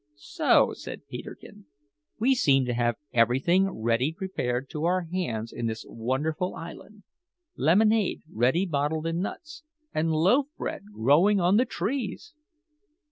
"So," said Peterkin, "we seem to have everything ready prepared to our hands in this wonderful island lemonade ready bottled in nuts, and loaf bread growing on the trees!"